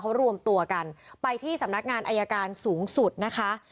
เขารวมตัวกันไปที่สำนักงานอายการสูงสุดนะคะ